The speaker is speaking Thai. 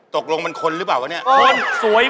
ตกลงมันคนหรือเปล่าวะเนี่ย